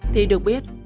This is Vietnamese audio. thì được biết